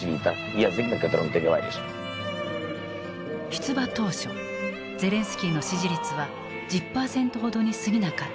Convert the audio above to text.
出馬当初ゼレンスキーの支持率は１０パーセントほどにすぎなかった。